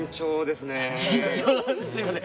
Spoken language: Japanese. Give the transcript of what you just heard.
すみません。